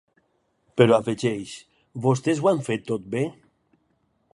Però afegeix: ‘Vostès ho han fet tot bé?’